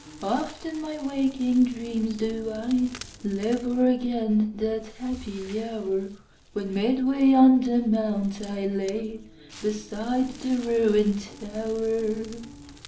Oft in my waking dreams do ILive o'er again that happy hour, When midway on the mount I lay, Beside the ruin'd tower.